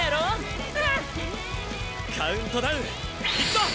カウントダウンいくぞ！